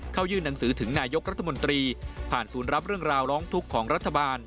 ยื่นหนังสือถึงนายกรัฐมนตรีผ่านศูนย์รับเรื่องราวร้องทุกข์ของรัฐบาล